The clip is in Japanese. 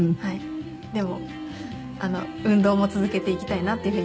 でも運動も続けていきたいなっていうふうに。